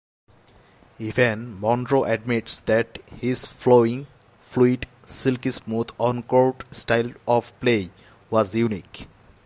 Even Monroe admits that his flowing, fluid, silky-smooth on-court style of play was unique.